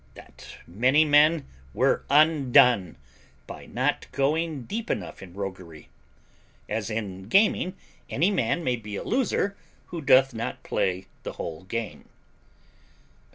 That many men were undone by not going deep enough in roguery; as in gaming any man may be a loser who doth not play the whole game.